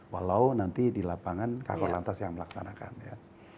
walau nanti di lapangan kakor lantas yang melaksanakan ya